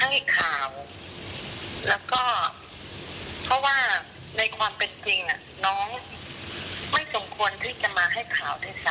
เรื่องอื่นแม่ไม่มีอะไรจะคุยแล้วค่ะ